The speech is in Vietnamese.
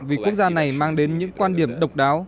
vì quốc gia này mang đến những quan điểm độc đáo